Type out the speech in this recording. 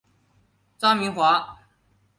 臧明华。